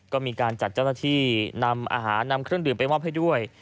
ก็มีการจัดเจ้าหน้าที่นำอาหารนำเครื่องดื่มไปมอบให้ด้วย